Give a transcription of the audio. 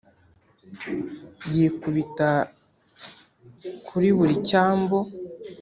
yikubita kuri buri cyambo